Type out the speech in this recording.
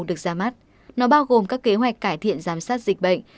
được ra mắt nó bao gồm các kế hoạch cải thiện giám sát dịch bệnh